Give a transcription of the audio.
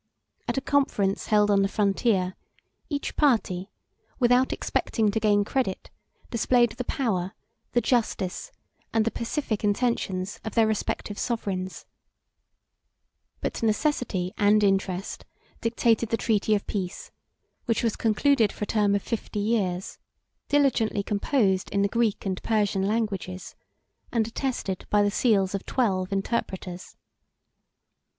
At a conference held on the frontier, each party, without expecting to gain credit, displayed the power, the justice, and the pacific intentions, of their respective sovereigns; but necessity and interest dictated the treaty of peace, which was concluded for a term of fifty years, diligently composed in the Greek and Persian languages, and attested by the seals of twelve interpreters.